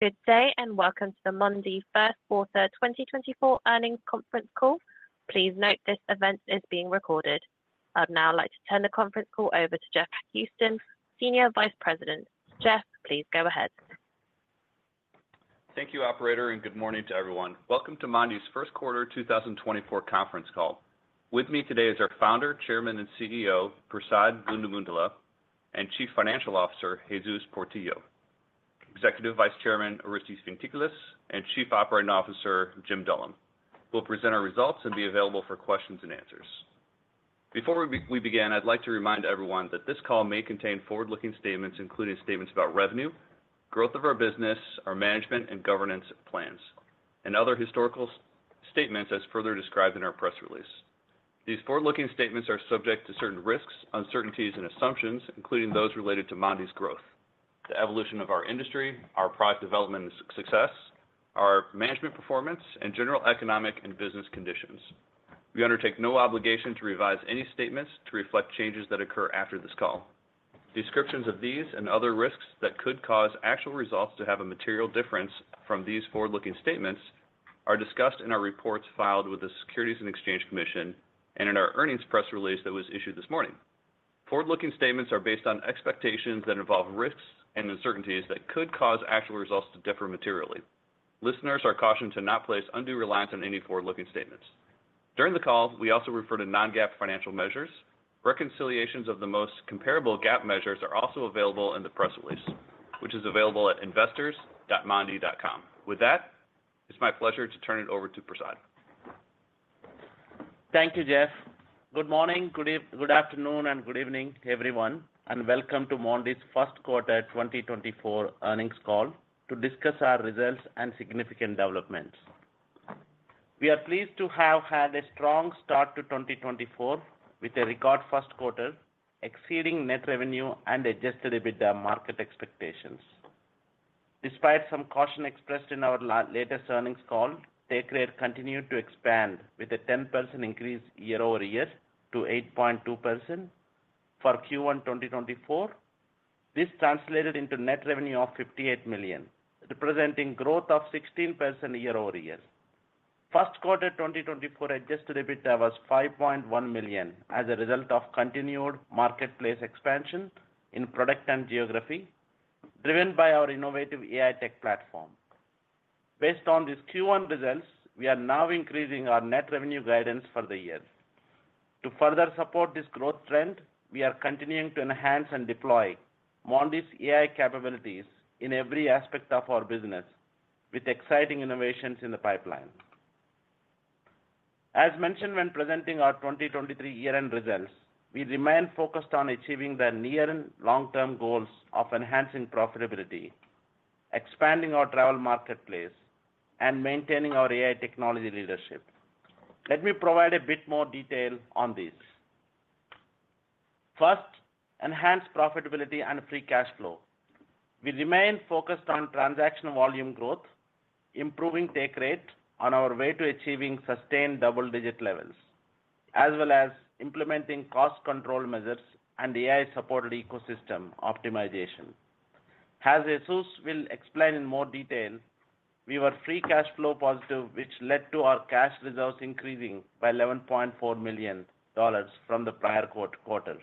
Good day and welcome to the Mondee Q1 earnings Conference Call. please note this event is being recorded. I'd now like to turn the Conference Call over to Jeff Houston, Senior Vice President. Jeff, please go ahead. Thank you, Operator, and good morning to everyone. Welcome to Mondee's Q1 2024 Conference Call. With me today is our Founder, Chairman, and CEO Prasad Gundumogula, and Chief Financial Officer Jesus Portillo, Executive Vice Chairman Orestes Fintiklis, and Chief Operating Officer Jim Dullum. We'll present our results and be available for questions and answers. Before we begin, I'd like to remind everyone that this call may contain forward-looking statements, including statements about revenue, growth of our business, our management and governance plans, and other historical statements as further described in our press release. These forward-looking statements are subject to certain risks, uncertainties, and assumptions, including those related to Mondee's growth, the evolution of our industry, our product development success, our management performance, and general economic and business conditions. We undertake no obligation to revise any statements to reflect changes that occur after this call. Descriptions of these and other risks that could cause actual results to have a material difference from these forward-looking statements are discussed in our reports filed with the Securities and Exchange Commission and in our earnings press release that was issued this morning. Forward-looking statements are based on expectations that involve risks and uncertainties that could cause actual results to differ materially. Listeners are cautioned to not place undue reliance on any forward-looking statements. During the call, we also refer to non-GAAP financial measures. Reconciliations of the most comparable GAAP measures are also available in the press release, which is available at investors.mondee.com. With that, it's my pleasure to turn it over to Prasad. Thank you, Jeff. Good morning, good afternoon, and good evening, everyone, and welcome to Mondee's Q1 2024 earnings call to discuss our results and significant developments. We are pleased to have had a strong start to 2024 with a record Q1 exceeding net revenue and Adjusted EBITDA the market expectations. Despite some caution expressed in our latest earnings call, take rate continued to expand with a 10% increase year-over-year to 8.2% for Q1 2024. This translated into net revenue of $58 million, representing growth of 16% year-over-year. Q1 2024 Adjusted EBITDA was $5.1 million as a result of continued marketplace expansion in product and geography driven by our innovative AI tech platform. Based on these Q1 results, we are now increasing our net revenue guidance for the year. To further support this growth trend, we are continuing to enhance and deploy Mondee's AI capabilities in every aspect of our business with exciting innovations in the pipeline. As mentioned when presenting our 2023 year-end results, we remain focused on achieving the near and long-term goals of enhancing profitability, expanding our travel marketplace, and maintaining our AI technology leadership. Let me provide a bit more detail on these. First, enhanced profitability and free cash flow. We remain focused on transaction volume growth, improving take rate on our way to achieving sustained double-digit levels, as well as implementing cost control measures and AI-supported ecosystem optimization. As Jesus will explain in more detail, we were free cash flow positive, which led to our cash results increasing by $11.4 million from the prior quarter.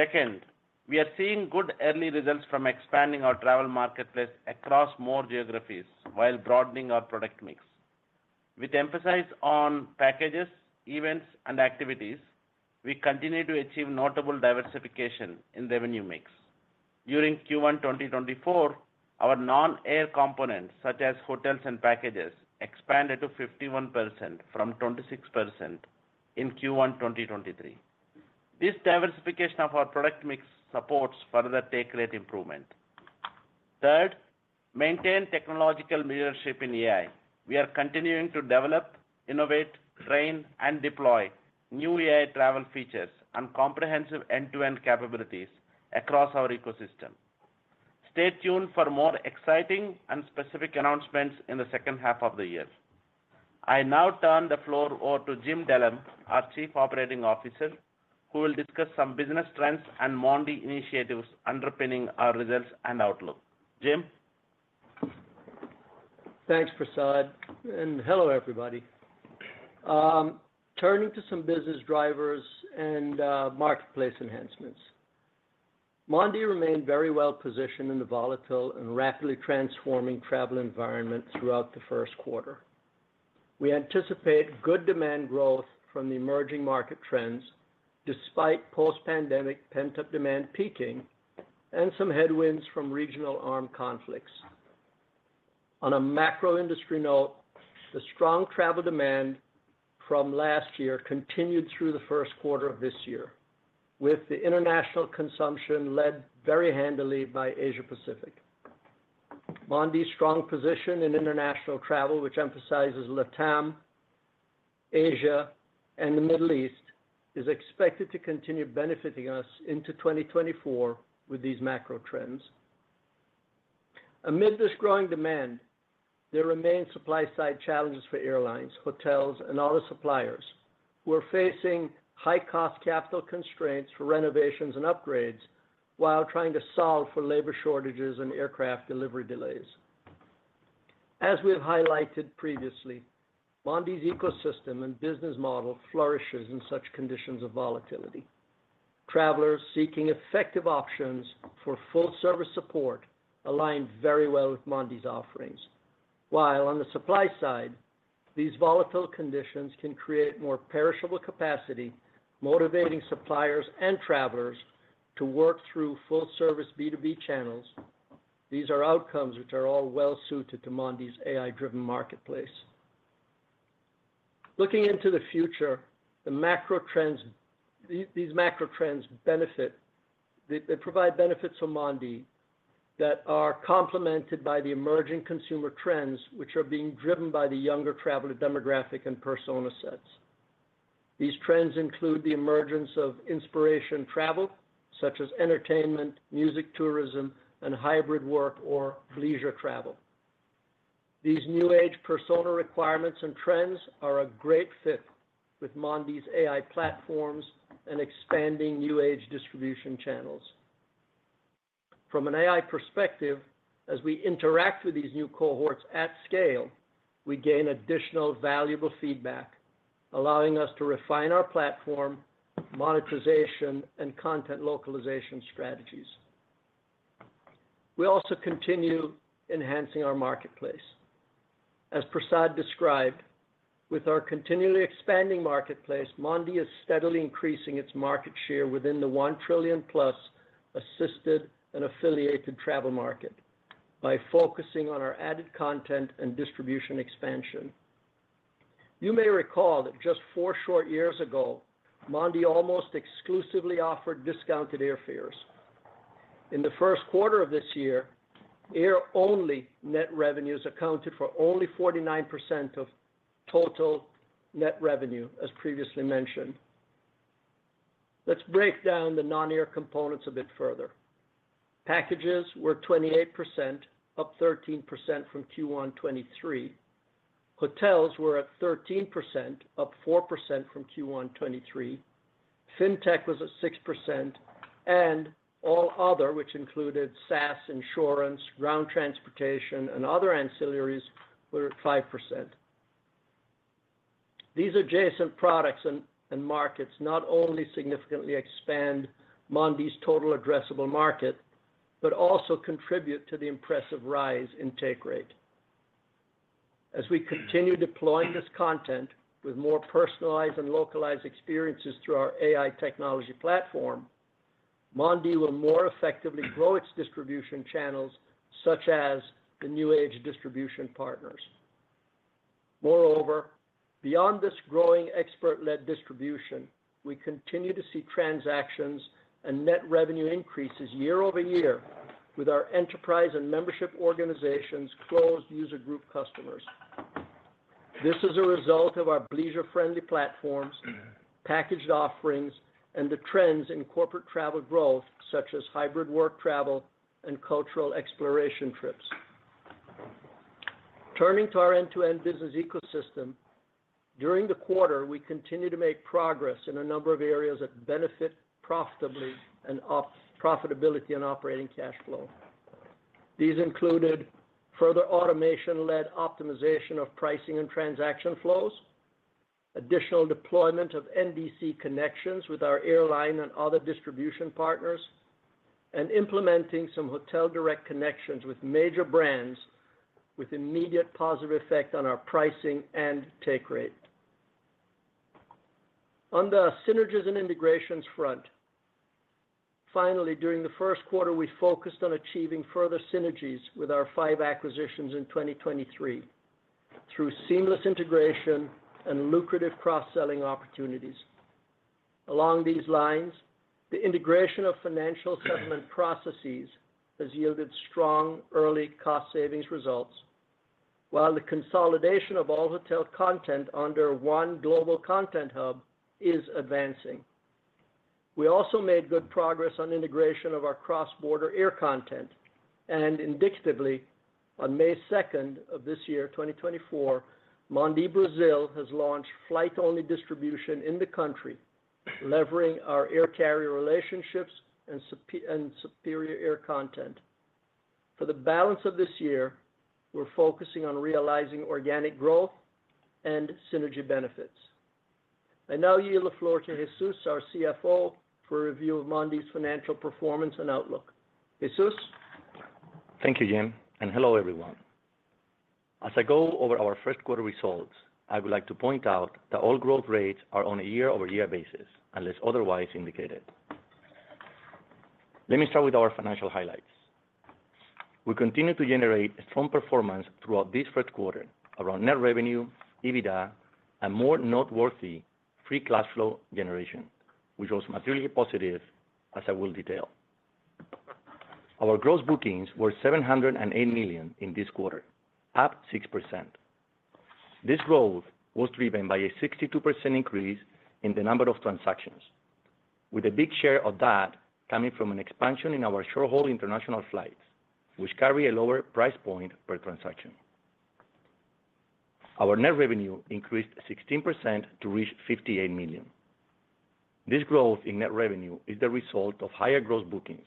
Second, we are seeing good early results from expanding our travel marketplace across more geographies while broadening our product mix. With emphasis on packages, events, and activities, we continue to achieve notable diversification in revenue mix. During Q1 2024, our non-air components, such as hotels and packages, expanded to 51% from 26% in Q1 2023. This diversification of our product mix supports further take rate improvement. Third, maintained technological leadership in AI. We are continuing to develop, innovate, train, and deploy new AI travel features and comprehensive end-to-end capabilities across our ecosystem. Stay tuned for more exciting and specific announcements in the second half of the year. I now turn the floor over to Jim Dullum, our Chief Operating Officer, who will discuss some business trends and Mondee initiatives underpinning our results and outlook. Jim? Thanks, Prasad. And hello, everybody. Turning to some business drivers and marketplace enhancements. Mondee remained very well positioned in the volatile and rapidly transforming travel environment throughout the Q1. We anticipate good demand growth from the emerging market trends despite post-pandemic pent-up demand peaking and some headwinds from regional armed conflicts. On a macro-industry note, the strong travel demand from last year continued through the Q1 of this year, with the international consumption led very handily by Asia-Pacific. Mondee's strong position in international travel, which emphasizes LATAM, Asia, and the Middle East, is expected to continue benefiting us into 2024 with these macro trends. Amid this growing demand, there remain supply-side challenges for airlines, hotels, and auto suppliers who are facing high-cost capital constraints for renovations and upgrades while trying to solve for labor shortages and aircraft delivery delays. As we have highlighted previously, Mondee's ecosystem and business model flourishes in such conditions of volatility. Travelers seeking effective options for full-service support align very well with Mondee's offerings, while on the supply side, these volatile conditions can create more perishable capacity, motivating suppliers and travelers to work through full-service B2B channels. These are outcomes which are all well-suited to Mondee's AI-driven marketplace. Looking into the future, the macro trends, these macro trends benefit, they provide benefits for Mondee that are complemented by the emerging consumer trends, which are being driven by the younger traveler demographic and persona sets. These trends include the emergence of inspiration travel, such as entertainment, music tourism, and hybrid work or leisure travel. These new-age persona requirements and trends are a great fit with Mondee's AI platforms and expanding new-age distribution channels. From an AI perspective, as we interact with these new cohorts at scale, we gain additional valuable feedback, allowing us to refine our platform, monetization, and content localization strategies. We also continue enhancing our marketplace. As Prasad described, with our continually expanding marketplace, Mondee is steadily increasing its market share within the $1 trillion-plus assisted and affiliated travel market by focusing on our added content and distribution expansion. You may recall that just four short years ago, Mondee almost exclusively offered discounted airfares. In the Q1 of this year, air-only net revenues accounted for only 49% of total net revenue, as previously mentioned. Let's break down the non-air components a bit further. Packages were 28%, up 13% from Q1 2023. Hotels were at 13%, up 4% from Q1 2023. Fintech was at 6%, and all other, which included SaaS, insurance, ground transportation, and other ancillaries, were at 5%. These adjacent products and markets not only significantly expand Mondee's total addressable market but also contribute to the impressive rise in take rate. As we continue deploying this content with more personalized and localized experiences through our AI technology platform, Mondee will more effectively grow its distribution channels, such as the new-age distribution partners. Moreover, beyond this growing expert-led distribution, we continue to see transactions and net revenue increases year-over-year with our enterprise and membership organizations' closed user group customers. This is a result of our leisure-friendly platforms, packaged offerings, and the trends in corporate travel growth, such as hybrid work travel and cultural exploration trips. Turning to our end-to-end business ecosystem, during the quarter we continue to make progress in a number of areas that benefit profitably and up profitability and operating cash flow. These included further automation-led optimization of pricing and transaction flows, additional deployment of NDC connections with our airline and other distribution partners, and implementing some hotel direct connections with major brands with immediate positive effect on our pricing and take rate. On the synergies and integrations front, finally, during the Q1 we focused on achieving further synergies with our five acquisitions in 2023 through seamless integration and lucrative cross-selling opportunities. Along these lines, the integration of financial settlement processes has yielded strong early cost-savings results, while the consolidation of all hotel content under one global content hub is advancing. We also made good progress on integration of our cross-border air content, and indicatively, on May 2nd of this year, 2024, Mondee Brazil has launched flight-only distribution in the country, leveraging our air-carrier relationships and superior air content. For the balance of this year, we're focusing on realizing organic growth and synergy benefits. I now yield the floor to Jesus, our CFO, for a review of Mondee's financial performance and outlook. Jesus? Thank you, Jim, and hello, everyone. As I go over our Q1 results, I would like to point out that all growth rates are on a year-over-year basis, unless otherwise indicated. Let me start with our financial highlights. We continue to generate strong performance throughout this Q1 around net revenue, EBITDA, and more noteworthy free cash flow generation, which was materially positive, as I will detail. Our gross bookings were $708 million in this quarter, up 6%. This growth was driven by a 62% increase in the number of transactions, with a big share of that coming from an expansion in our short-haul international flights, which carry a lower price point per transaction. Our net revenue increased 16% to reach $58 million. This growth in net revenue is the result of higher gross bookings,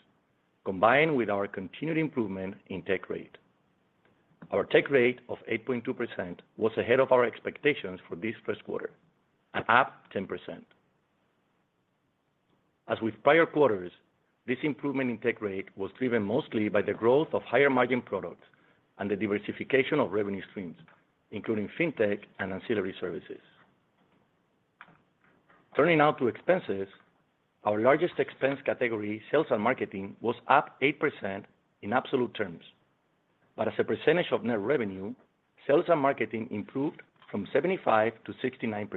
combined with our continued improvement in take rate. Our take rate of 8.2% was ahead of our expectations for this Q1, up 10%. As with prior quarters, this improvement in take rate was driven mostly by the growth of higher margin products and the diversification of revenue streams, including fintech and ancillary services. Turning now to expenses, our largest expense category, sales and marketing, was up 8% in absolute terms, but as a percentage of net revenue, sales and marketing improved from 75% to 69%.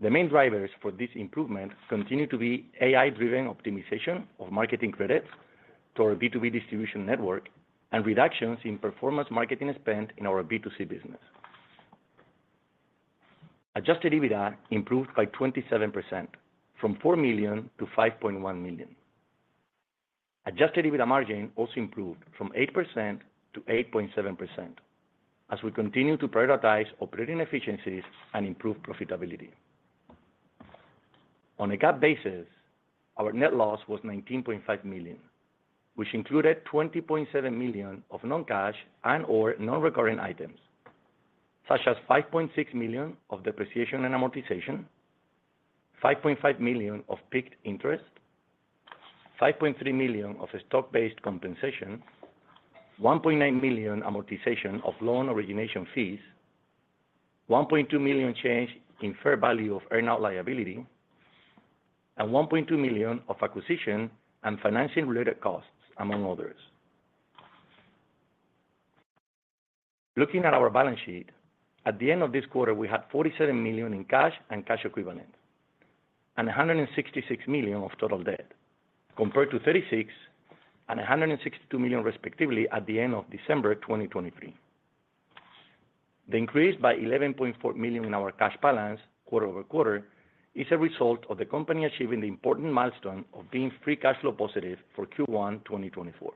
The main drivers for this improvement continue to be AI-driven optimization of marketing credits to our B2B distribution network and reductions in performance marketing spend in our B2C business. Adjusted EBITDA improved by 27%, from $4 million to $5.1 million. Adjusted EBITDA margin also improved from 8% to 8.7% as we continue to prioritize operating efficiencies and improve profitability. On a GAAP basis, our net loss was $19.5 million, which included $20.7 million of non-cash and/or non-recurring items, such as $5.6 million of depreciation and amortization, $5.5 million of PIK interest, $5.3 million of stock-based compensation, $1.9 million amortization of loan origination fees, $1.2 million change in fair value of earnout liability, and $1.2 million of acquisition and financing-related costs, among others. Looking at our balance sheet, at the end of this quarter we had $47 million in cash and cash equivalents, and $166 million of total debt, compared to $36 million and $162 million, respectively, at the end of December 2023. The increase by $11.4 million in our cash balance quarter-over-quarter is a result of the company achieving the important milestone of being free cash flow positive for Q1 2024.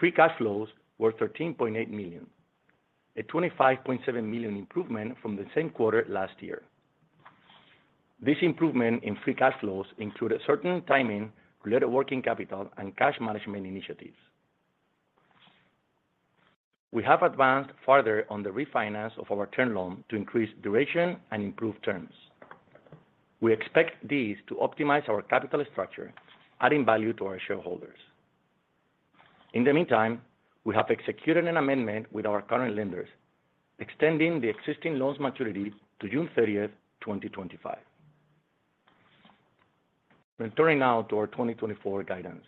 Free cash flows were $13.8 million, a $25.7 million improvement from the same quarter last year. This improvement in free cash flows included certain timing-related working capital and cash management initiatives. We have advanced further on the refinance of our term loan to increase duration and improve terms. We expect these to optimize our capital structure, adding value to our shareholders. In the meantime, we have executed an amendment with our current lenders, extending the existing loan's maturity to June 30th, 2025. Returning now to our 2024 guidance.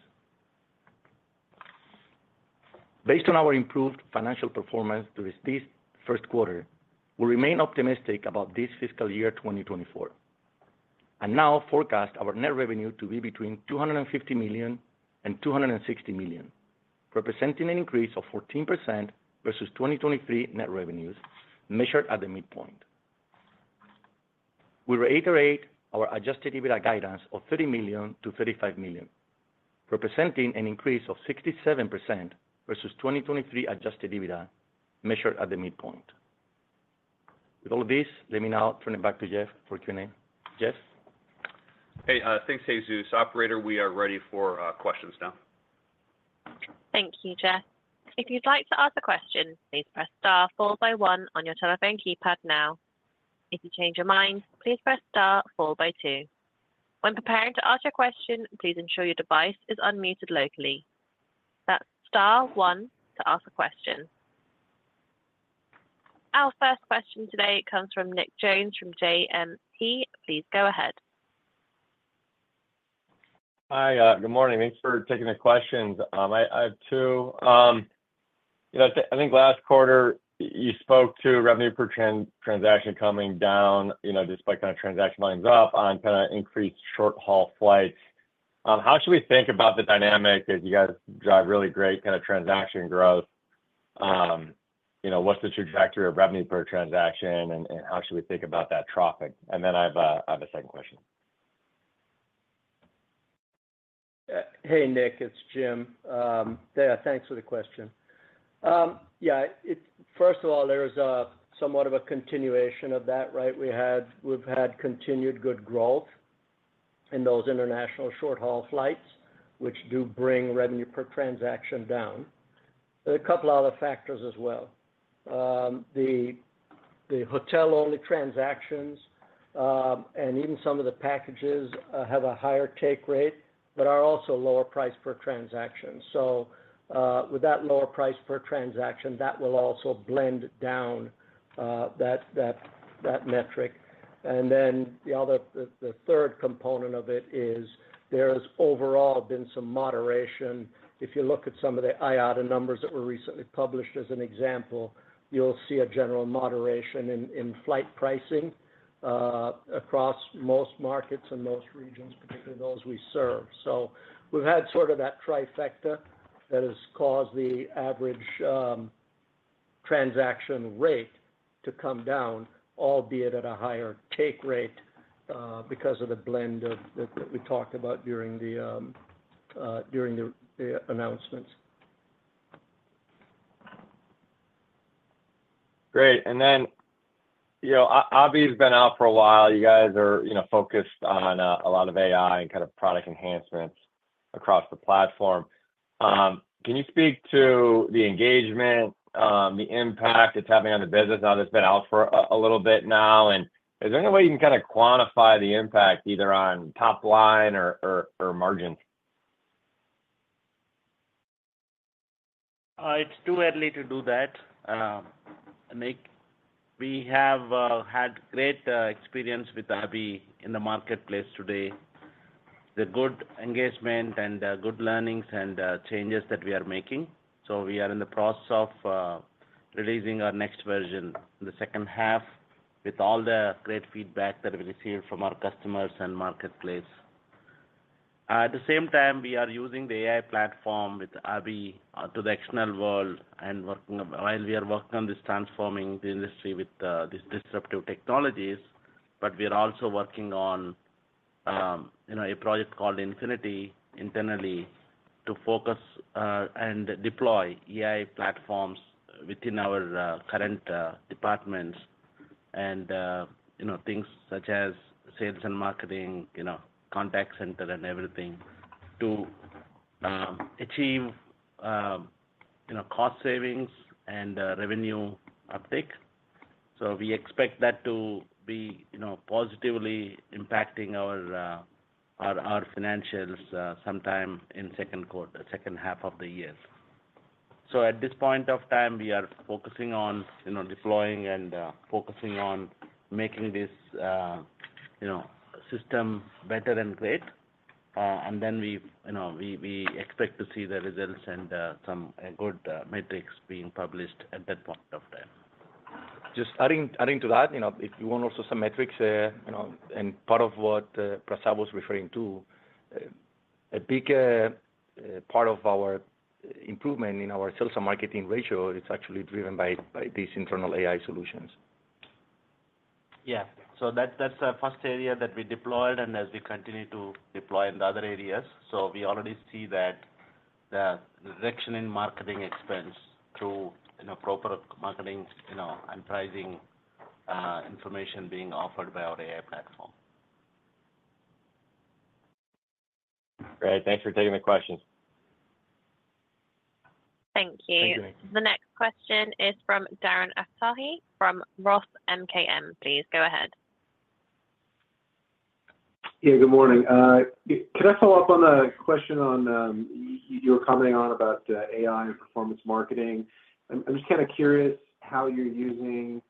Based on our improved financial performance during this Q1, we remain optimistic about this fiscal year, 2024, and now forecast our net revenue to be between $250 million and $260 million, representing an increase of 14% versus 2023 net revenues measured at the midpoint. We reiterate our Adjusted EBITDA guidance of $30 million-$35 million, representing an increase of 67% versus 2023 Adjusted EBITDA measured at the midpoint. With all of this, let me now turn it back to Jeff for Q&A. Jeff? Hey. Thanks, Jesus. Operator, we are ready for questions now. Thank you, Jeff. If you'd like to ask a question, please press star then 1 on your telephone keypad now. If you change your mind, please press star then 2. When preparing to ask your question, please ensure your device is unmuted locally. That's star 1 to ask a question. Our first question today comes from Nick Jones from JMP. Please go ahead. Hi. Good morning. Thanks for taking the questions. I have two. I think last quarter you spoke to revenue per transaction coming down despite kind of transaction lines up on kind of increased short-haul flights. How should we think about the dynamic as you guys drive really great kind of transaction growth? What's the trajectory of revenue per transaction, and how should we think about that traffic? And then I have a second question. Hey, Nick. It's Jim. Thanks for the question. Yeah. First of all, there is somewhat of a continuation of that, right? We've had continued good growth in those international short-haul flights, which do bring revenue per transaction down. There are a couple of other factors as well. The hotel-only transactions and even some of the packages have a higher take rate but are also lower price per transaction. So with that lower price per transaction, that will also blend down that metric. And then the third component of it is there has overall been some moderation. If you look at some of the IATA numbers that were recently published as an example, you'll see a general moderation in flight pricing across most markets and most regions, particularly those we serve. We've had sort of that trifecta that has caused the average transaction rate to come down, albeit at a higher take rate because of the blend that we talked about during the announcements. Great. And then Abhi has been out for a while. You guys are focused on a lot of AI and kind of product enhancements across the platform. Can you speak to the engagement, the impact it's having on the business? Now, this has been out for a little bit now. And is there any way you can kind of quantify the impact either on top line or margins? It's too early to do that, Nick. We have had great experience with Abhi in the marketplace today, the good engagement and good learnings and changes that we are making. So we are in the process of releasing our next version in the second half with all the great feedback that we received from our customers and marketplace. At the same time, we are using the AI platform with Abhi to the external world while we are working on this transforming the industry with these disruptive technologies. But we are also working on a project called Infinity internally to focus and deploy AI platforms within our current departments and things such as sales and marketing, contact center, and everything to achieve cost savings and revenue uptick. So we expect that to be positively impacting our financials sometime in the second half of the year. At this point of time, we are focusing on deploying and focusing on making this system better and great. Then we expect to see the results and some good metrics being published at that point of time. Just adding to that, if you want also some metrics and part of what Prasad was referring to, a big part of our improvement in our sales and marketing ratio, it's actually driven by these internal AI solutions. Yeah. That's the first area that we deployed, and as we continue to deploy in the other areas, so we already see that the reduction in marketing expense through proper marketing and pricing information being offered by our AI platform. Great. Thanks for taking the questions. Thank you. Thank you, Nick. The next question is from Darren Aftahi from Roth MKM. Please go ahead. Yeah. Good morning. Could I follow up on a question you were commenting on about AI and performance marketing? I'm just kind of curious how you're using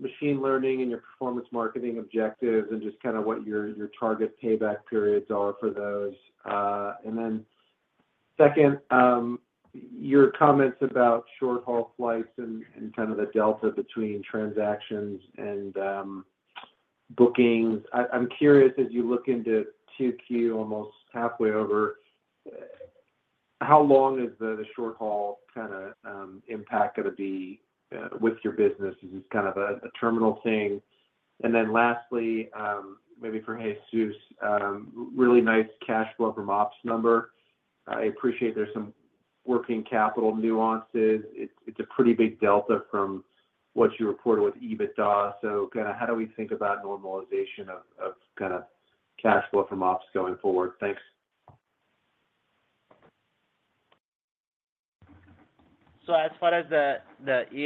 machine learning in your performance marketing objectives and just kind of what your target payback periods are for those. And then second, your comments about short-haul flights and kind of the delta between transactions and bookings. I'm curious, as you look into Q2 almost halfway over, how long is the short-haul kind of impact going to be with your business? Is this kind of a terminal thing? And then lastly, maybe for Jesus, really nice cash flow from ops number. I appreciate there's some working capital nuances. It's a pretty big delta from what you reported with EBITDA. So kind of how do we think about normalization of kind of cash flow from ops going forward? Thanks. So as far as the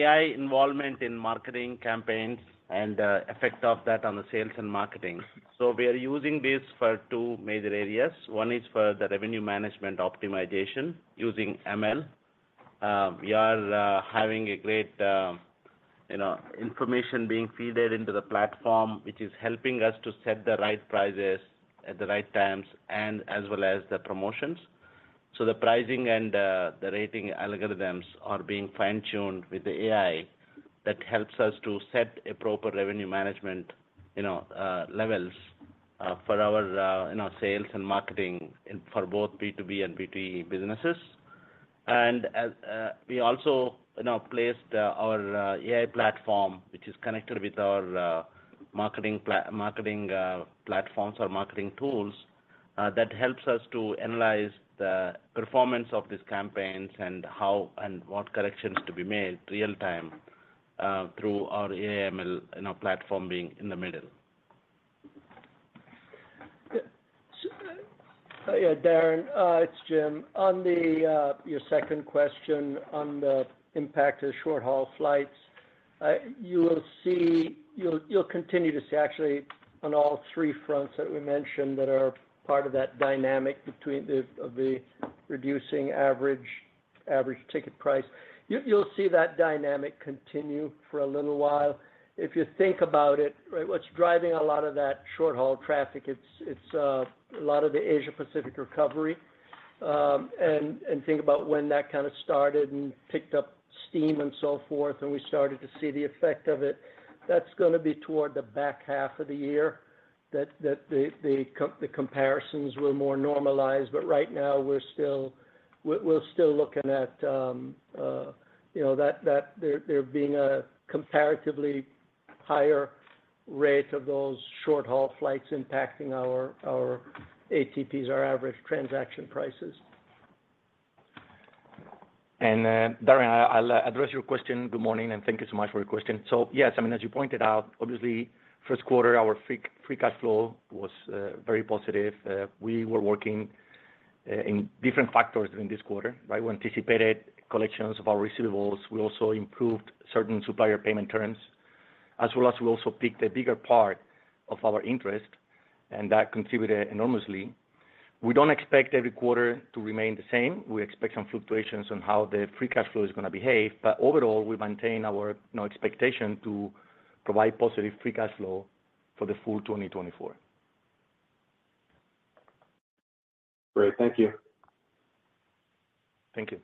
AI involvement in marketing campaigns and the effect of that on the sales and marketing, we are using this for two major areas. One is for the revenue management optimization using ML. We are having great information being fed into the platform, which is helping us to set the right prices at the right times and as well as the promotions. So the pricing and the rating algorithms are being fine-tuned with the AI that helps us to set proper revenue management levels for our sales and marketing for both B2B and B2E businesses. And we also placed our AI platform, which is connected with our marketing platforms or marketing tools, that helps us to analyze the performance of these campaigns and how and what corrections to be made real-time through our AI/ML platform being in the middle. Oh, yeah. Darren, it's Jim. On your second question on the impact of short-haul flights, you'll continue to see, actually, on all three fronts that we mentioned that are part of that dynamic of the reducing average ticket price. You'll see that dynamic continue for a little while. If you think about it, right, what's driving a lot of that short-haul traffic, it's a lot of the Asia-Pacific recovery. And think about when that kind of started and picked up steam and so forth, and we started to see the effect of it. That's going to be toward the back half of the year that the comparisons will more normalize. But right now, we're still looking at there being a comparatively higher rate of those short-haul flights impacting our ATPs, our average transaction prices. And Darren, I'll address your question. Good morning, and thank you so much for your question. So yes, I mean, as you pointed out, obviously, Q1, our free cash flow was very positive. We were working in different factors during this quarter, right? We anticipated collections of our receivables. We also improved certain supplier payment terms, as well as we also PIK'd a bigger part of our interest, and that contributed enormously. We don't expect every quarter to remain the same. We expect some fluctuations on how the free cash flow is going to behave. But overall, we maintain our expectation to provide positive free cash flow for the full 2024. Great. Thank you. Thank you.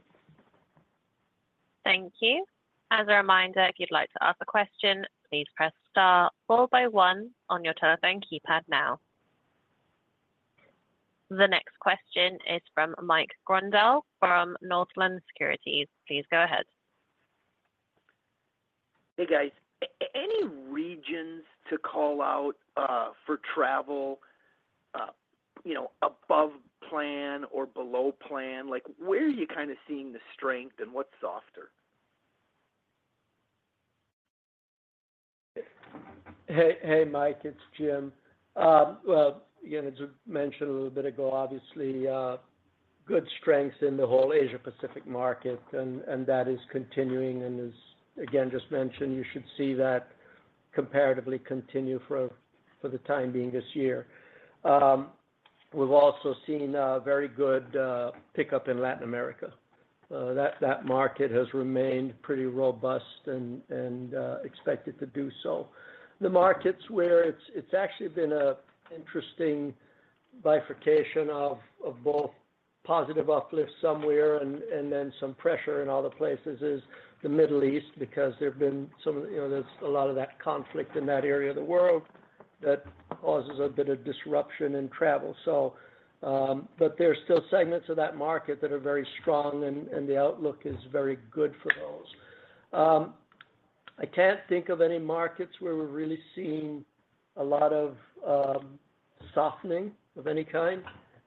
Thank you. As a reminder, if you'd like to ask a question, please press star then 1 on your telephone keypad now. The next question is from Mike Grondahl from Northland Securities. Please go ahead. Hey, guys. Any regions to call out for travel above plan or below plan? Where are you kind of seeing the strength, and what's softer? Hey, Mike. It's Jim. Well, again, as we mentioned a little bit ago, obviously, good strengths in the whole Asia-Pacific market, and that is continuing. And as, again, just mentioned, you should see that comparatively continue for the time being this year. We've also seen very good pickup in Latin America. That market has remained pretty robust and expected to do so. The markets where it's actually been an interesting bifurcation of both positive uplift somewhere and then some pressure in other places is the Middle East because there's a lot of that conflict in that area of the world that causes a bit of disruption in travel. But there are still segments of that market that are very strong, and the outlook is very good for those. I can't think of any markets where we're really seeing a lot of softening of any kind.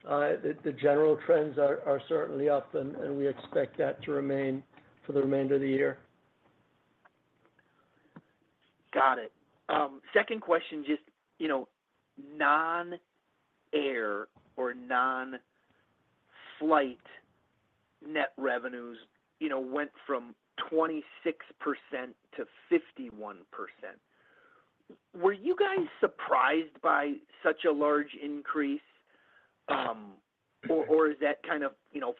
The general trends are certainly up, and we expect that to remain for the remainder of the year. Got it. Second question, just non-air or non-flight net revenues went from 26% to 51%. Were you guys surprised by such a large increase, or is that kind of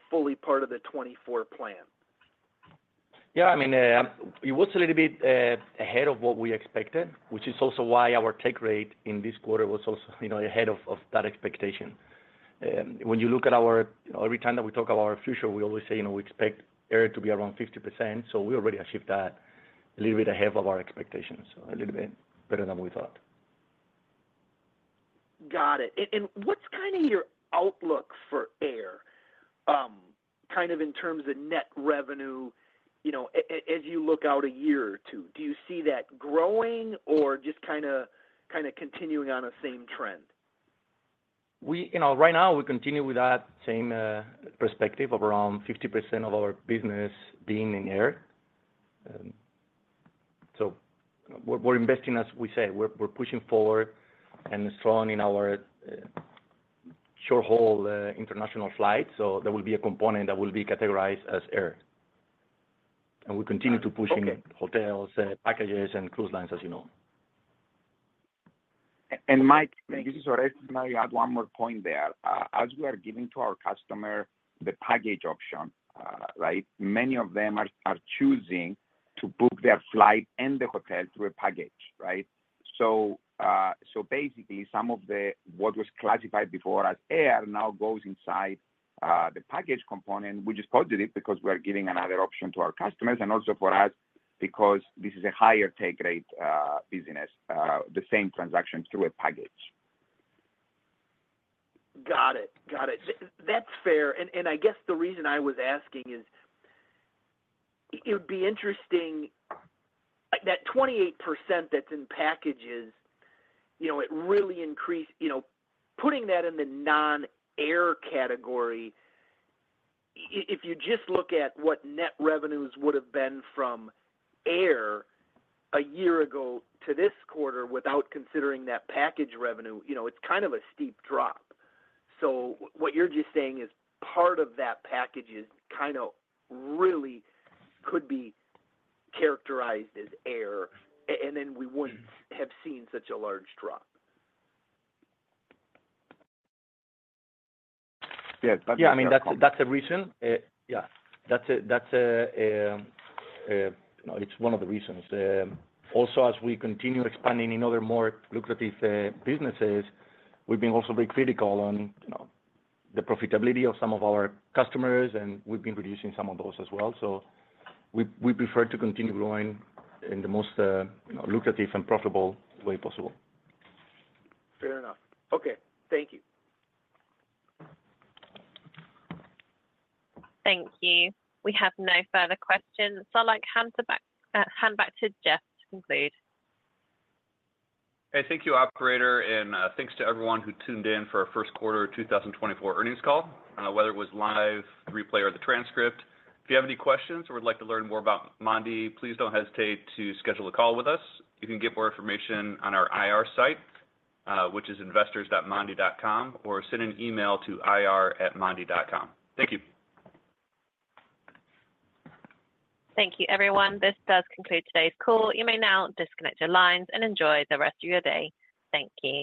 fully part of the 2024 plan? Yeah. I mean, it was a little bit ahead of what we expected, which is also why our take rate in this quarter was also ahead of that expectation. When you look at our every time that we talk about our future, we always say we expect air to be around 50%. So we already achieved that a little bit ahead of our expectations, so a little bit better than we thought. Got it. And what's kind of your outlook for air kind of in terms of net revenue as you look out a year or two? Do you see that growing or just kind of continuing on the same trend? Right now, we continue with that same perspective of around 50% of our business being in air. So we're investing, as we say. We're pushing forward and strong in our short-haul international flights. So there will be a component that will be categorized as air. And we continue to push in hotels, packages, and cruise lines, as you know. Mike, this is Orestes Fintiklis. I had one more point there. As we are giving to our customer the package option, right, many of them are choosing to book their flight and the hotel through a package, right? So basically, some of what was classified before as air now goes inside the package component, which is positive because we are giving another option to our customers and also for us because this is a higher take rate business, the same transaction through a package. Got it. Got it. That's fair. And I guess the reason I was asking is it would be interesting that 28% that's in packages, it really increased putting that in the non-air category, if you just look at what net revenues would have been from air a year ago to this quarter without considering that package revenue, it's kind of a steep drop. So what you're just saying is part of that package kind of really could be characterized as air, and then we wouldn't have seen such a large drop. Yeah. But I mean, that's a reason. Yeah. It's one of the reasons. Also, as we continue expanding in other more lucrative businesses, we've been also very critical on the profitability of some of our customers, and we've been reducing some of those as well. So we prefer to continue growing in the most lucrative and profitable way possible. Fair enough. Okay. Thank you. Thank you. We have no further questions. So I'll hand back to Jeff to conclude. Hey, thank you, operator. Thanks to everyone who tuned in for our Q1 2024 earnings call, whether it was live, replay, or the transcript. If you have any questions or would like to learn more about Mondee, please don't hesitate to schedule a call with us. You can get more information on our IR site, which is investors.mondee.com, or send an email to ir@mondee.com. Thank you. Thank you, everyone. This does conclude today's call. You may now disconnect your lines and enjoy the rest of your day. Thank you.